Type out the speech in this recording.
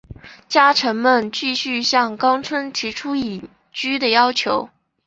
家臣们继续向纲村提出隐居的要求。